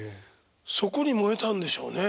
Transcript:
そこに燃えたんでしょうね。